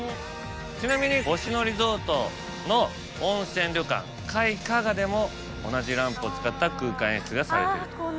ちなみに星野リゾートの温泉旅館界加賀でも同じランプを使った空間演出がされていると。